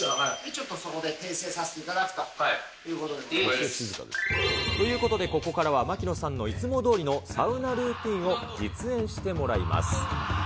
ちょっとそこで訂正させていただくということで。ということで、ここからは槙野さんのいつもどおりのサウナルーティンを実演してもらいます。